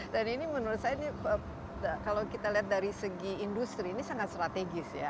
dan ini menurut saya kalau kita lihat dari segi industri ini sangat strategis ya